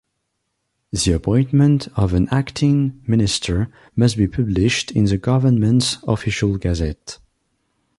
The appointment of an Acting Minister must be published in the government's official "Gazette".